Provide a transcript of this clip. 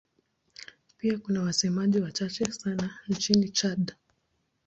Pia kuna wasemaji wachache sana nchini Chad.